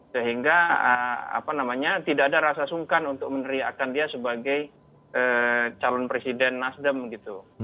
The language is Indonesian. sehingga tidak ada rasa sungkan untuk meneriakan dia sebagai calon presiden nasdem gitu